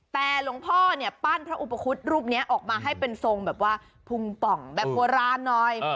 แต่หลวงพ่อเนี่ยปั้นพระอุปคุฎรูปนี้ออกมาให้เป็นทรงแบบว่าพุงป่องแบบโบราณหน่อย